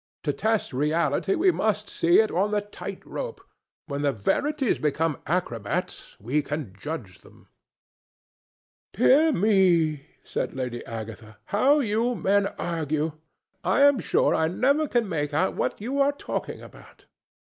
To test reality we must see it on the tight rope. When the verities become acrobats, we can judge them." "Dear me!" said Lady Agatha, "how you men argue! I am sure I never can make out what you are talking about.